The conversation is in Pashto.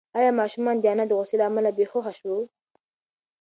ایا ماشوم د انا د غوسې له امله بېهوښه شو؟